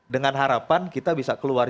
dengan harapan kita bisa keluar